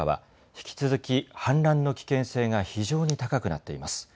引き続き氾濫の危険性が非常に高くなっています。